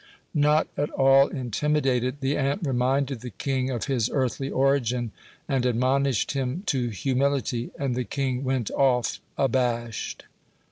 Not at all intimidated, the ant reminded the king of his earthly origin, and admonished him to humility, and the king went off abashed.